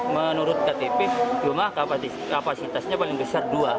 menurut ktp cuma kapasitasnya paling besar dua